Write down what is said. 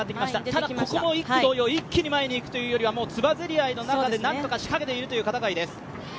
ただここも１区同様一気に前にいくというよりはつばぜり合いの中で何とか仕掛けているという片貝です。